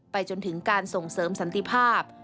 จนถึงการส่งเสริมสันติภาพ